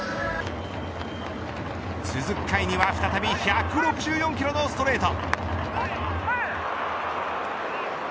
続く甲斐には１６４キロのストレート。